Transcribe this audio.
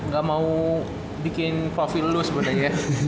gak mau bikin pavil lu sebenernya